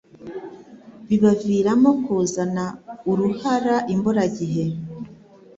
bibaviramo kuzana uruhara imburagihe